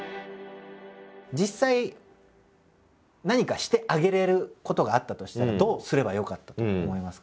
実際なにかしてあげれることがあったとしたらどうすればよかったと思いますか？